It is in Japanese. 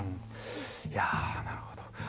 いやなるほど。